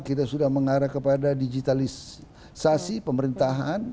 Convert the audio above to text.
kita sudah mengarah kepada digitalisasi pemerintahan